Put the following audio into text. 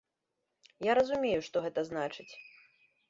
Я разумею, што гэта значыць.